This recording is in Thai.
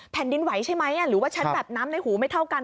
แผ่นดินไหวใช่ไหมหรือว่าชั้นแบบน้ำในหูไม่เท่ากัน